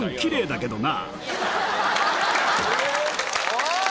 おい！